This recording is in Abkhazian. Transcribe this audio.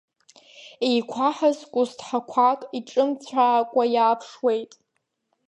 Еиқәаҳаз кәызҭхақәак иҿымцәаакәа иааԥшуеит.